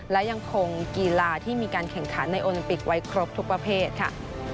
และยังคงกีฬาที่มีการแข่งขันในโอลิมปิกไว้ครบทุกประเภทค่ะ